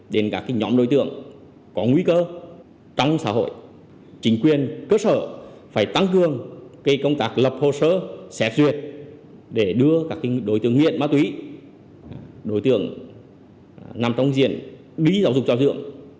đối tượng nằm trong diện bí giáo dục trò dưỡng